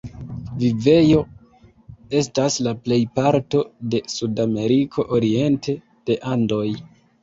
Vivejo estas la plejparto de Sud-Ameriko oriente de Andoj.